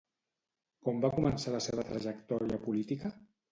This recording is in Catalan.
Com va començar la seva trajectòria política?